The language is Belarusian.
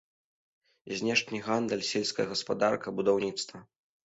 Знешні гандаль, сельская гаспадарка, будаўніцтва.